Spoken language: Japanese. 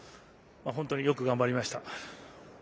本当によく頑張りました。